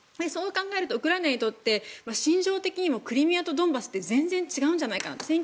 そう考えるとウクライナにとって心情的にもクリミアとドンバスって全然違うんじゃないかなと。